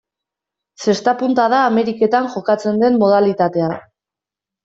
Zesta-punta da Ameriketan jokatzen den modalitatea.